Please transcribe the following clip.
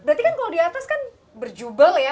berarti kan kalau di atas kan berjubel ya